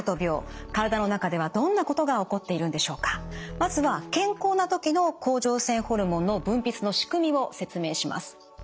まずは健康な時の甲状腺ホルモンの分泌の仕組みを説明します。